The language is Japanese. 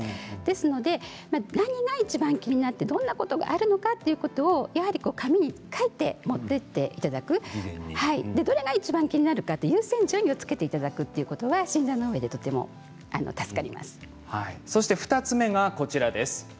ですから何がいちばん気になってどんなことがあるのかということを紙に書いて持っていっていただくどれがいちばん気になるかという優先順位をつけていただくことが２つ目がこちらです。